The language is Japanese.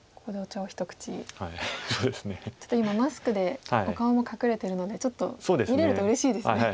ちょっと今マスクでお顔も隠れてるのでちょっと見れるとうれしいですね。